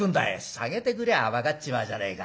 「提げてくりゃ分かっちまうじゃねえか。